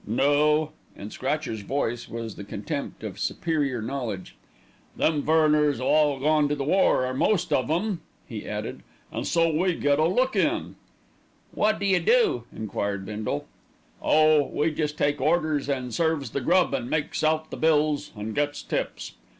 "Noooo!" In Scratcher's voice was the contempt of superior knowledge. "Them furriners 'ave all gone to the war, or most of 'em," he added, "an' so we get a look in." "Wot d'you do?" enquired Bindle. "Oh! we jest take orders, an' serves the grub, an' makes out the bills, an' gets tips.